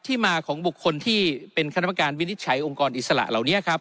มาของบุคคลที่เป็นคณะประการวินิจฉัยองค์กรอิสระเหล่านี้ครับ